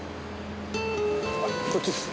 あっこっちです。